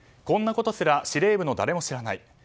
こんなことすら司令部の誰も知らない。